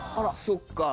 そっか。